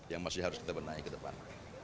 yang masih harus kita benahi ke depan